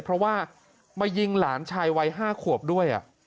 เพราะว่ามายิงหลานชายวัย๕ขวบด้วย